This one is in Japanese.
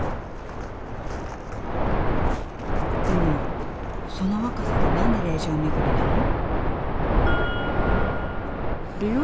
でもその若さで何で霊場巡りなの？